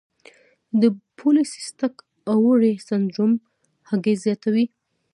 د پولی سیسټک اووری سنډروم هګۍ زیاتوي.